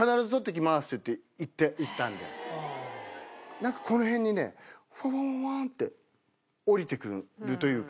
なんかこの辺にねフワワワンって降りてくるというか。